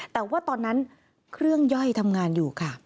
แต่ว่าตอนนั้นเครื่องย่อยทำงานอยู่ค่ะ